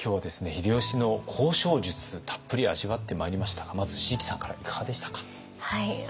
秀吉の交渉術たっぷり味わってまいりましたがまず椎木さんからいかがでしたか？